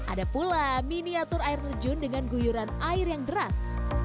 ada pula miniatur air terjun dengan guyuran air yang deras